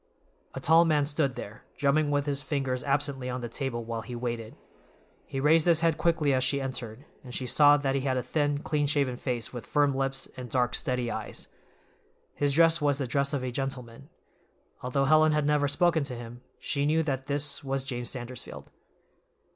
A tall man stood there, drumming with his fingers absently on the table while he waited. He raised his head quickly as she entered, and she saw that he had a thin, clean shaven face with firm lips and dark, steady eyes. His dress was the dress of a gentleman. Although Helen had never spoken to him, she knew that this was James Sandersfield.